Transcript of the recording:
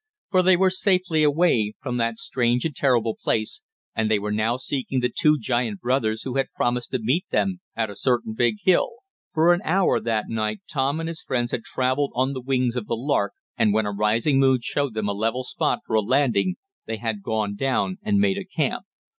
For they were safely away from that strange and terrible place, and they were now seeking the two giant brothers who had promised to meet them at a certain big hill. For an hour that night Tom and his friends had traveled on the wings of the Lark and when a rising moon showed them a level spot for a landing, they had gone down and made a camp.